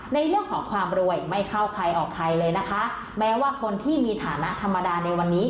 ในเรื่องของความรวยไม่เข้าใครออกใครเลยนะคะแม้ว่าคนที่มีฐานะธรรมดาในวันนี้